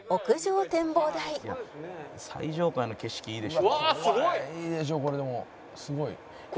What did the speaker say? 「最上階の景色いいでしょ」